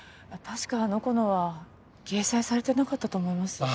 確かあの子のは掲載されてなかったと思います。